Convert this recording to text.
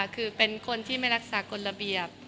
คือไม่รักษากฎระเบียบ